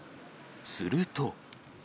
すると。